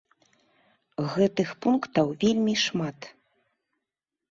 Гэтых пунктаў вельмі шмат.